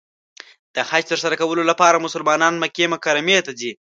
د حج تر سره کولو لپاره مسلمانان مکې مکرمې ته ځي .